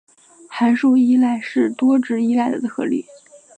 函数依赖是多值依赖的特例。